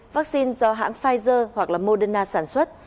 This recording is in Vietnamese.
vaccine do hãng pfizer hoặc moderna sản xuất